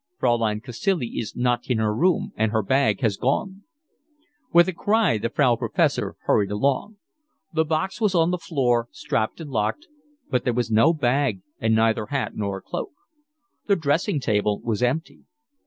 "Fraulein Cacilie is not in her room, and her bag has gone." With a cry the Frau Professor hurried along: the box was on the floor, strapped and locked; but there was no bag, and neither hat nor cloak. The dressing table was empty.